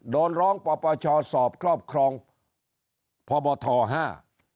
โดนร้องปปชสอบครอบครองพบทห้า